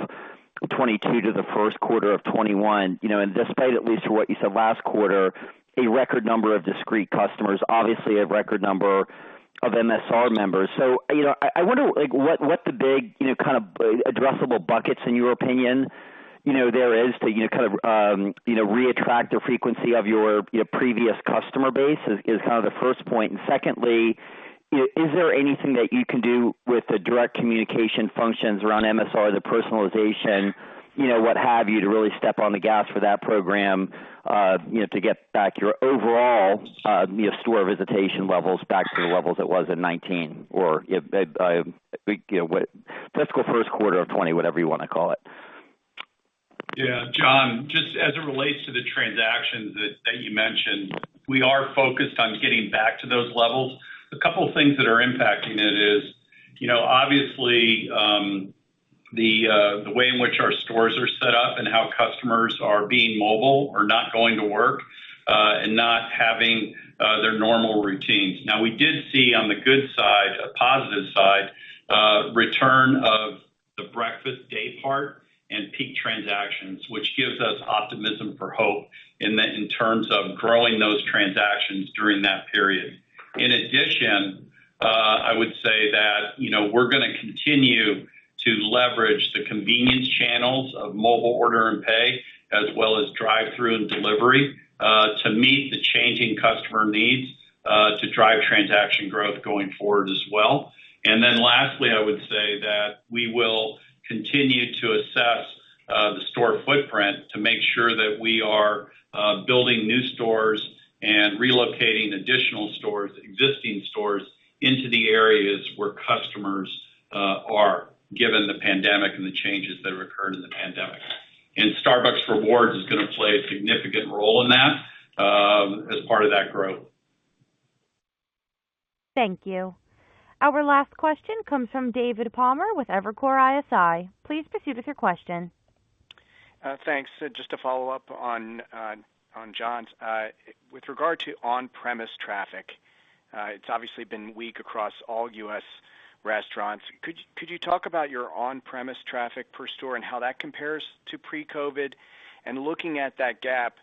2021 to the first quarter of 2022, you know, and despite at least what you said last quarter, a record number of distinct customers, obviously a record number of MSR members. You know, I wonder, like, what the big, you know, kind of addressable buckets, in your opinion, you know, there is to, you know, kind of reattract the frequency of your previous customer base is kind of the first point. Secondly, is there anything that you can do with the direct communication functions around MSR, the personalization, you know, what have you, to really step on the gas for that program, you know, to get back your overall, you know, store visitation levels back to the levels it was in 2019 or, you know what, fiscal first quarter of 2020, whatever you wanna call it? Yeah. John, just as it relates to the transactions that you mentioned, we are focused on getting back to those levels. A couple things that are impacting it is, you know, obviously, the way in which our stores are set up and how customers are being mobile or not going to work, and not having their normal routines. Now, we did see on the good side, a positive side, return of the breakfast day part and peak transactions, which gives us optimism for hope in terms of growing those transactions during that period. In addition, I would say that, you know, we're gonna continue to leverage the convenience channels of mobile order and pay, as well as drive-thru and delivery, to meet the changing customer needs, to drive transaction growth going forward as well. Lastly, I would say that we will continue to assess the store footprint to make sure that we are building new stores and relocating additional stores, existing stores into the areas where customers are, given the pandemic and the changes that occurred in the pandemic. Starbucks Rewards is gonna play a significant role in that, as part of that growth. Thank you. Our last question comes from David Palmer with Evercore ISI. Please proceed with your question. Thanks. Just to follow up on John's with regard to on-premise traffic, it's obviously been weak across all U.S. restaurants. Could you talk about your on-premise traffic per store and how that compares to pre-COVID? Looking at that gap,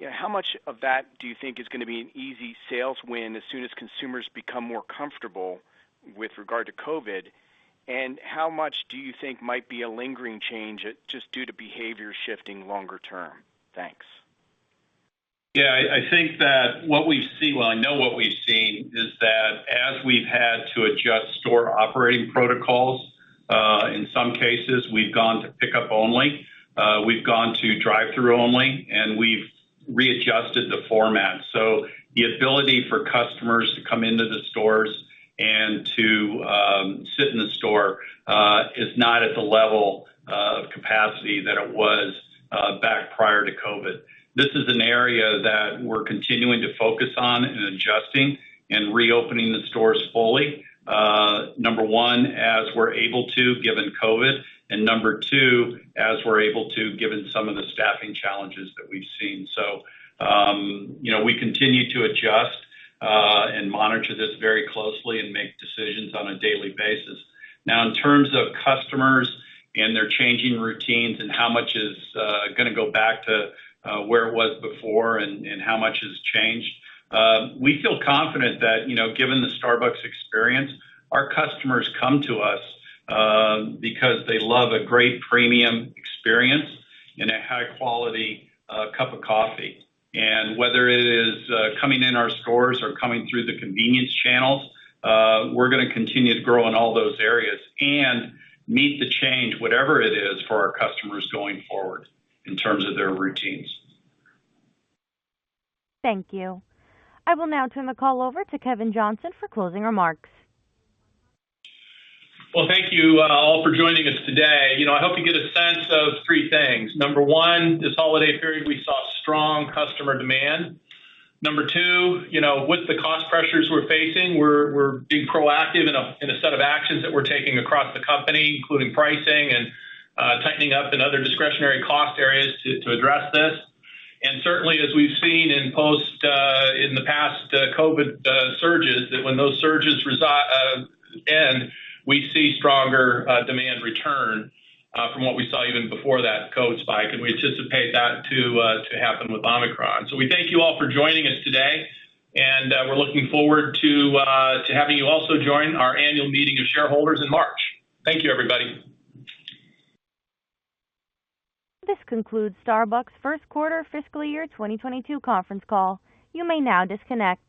you know, how much of that do you think is gonna be an easy sales win as soon as consumers become more comfortable with regard to COVID? How much do you think might be a lingering change just due to behavior shifting longer term? Thanks. Yeah. I think that what we've seen, well, I know what we've seen is that as we've had to adjust store operating protocols, in some cases, we've gone to pickup only, we've gone to drive-thru only, and we've readjusted the format. The ability for customers to come into the stores and to sit in the store is not at the level of capacity that it was back prior to COVID. This is an area that we're continuing to focus on and adjusting and reopening the stores fully. Number one, as we're able to given COVID, and number two, as we're able to given some of the staffing challenges that we've seen. You know, we continue to adjust and monitor this very closely and make decisions on a daily basis. Now, in terms of customers and their changing routines and how much is gonna go back to where it was before and how much has changed, we feel confident that, you know, given the Starbucks experience, our customers come to us because they love a great premium experience and a high quality cup of coffee. Whether it is coming in our stores or coming through the convenience channels, we're gonna continue to grow in all those areas and meet the change, whatever it is, for our customers going forward in terms of their routines. Thank you. I will now turn the call over to Kevin Johnson for closing remarks. Well, thank you all for joining us today. You know, I hope you get a sense of three things. Number one, this holiday period we saw strong customer demand. Number two, you know, with the cost pressures we're facing, we're being proactive in a set of actions that we're taking across the company, including pricing and tightening up in other discretionary cost areas to address this. Certainly, as we've seen in the past COVID surges, that when those surges end, we see stronger demand return from what we saw even before that COVID spike, and we anticipate that to happen with Omicron. We thank you all for joining us today, and we're looking forward to having you also join our annual meeting of shareholders in March. Thank you, everybody. This concludes Starbucks' first quarter FY 2022 conference call. You may now disconnect.